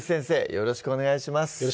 よろしくお願いします